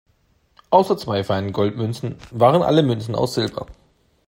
Außer zwei feinen Goldmünzen waren alle Münzen aus Silber.